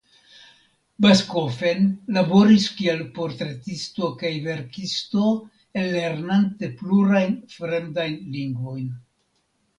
Backofen laboris kiel portretisto kaj verkisto ellernante plurajn fremdajn lingvojn.